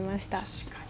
確かに。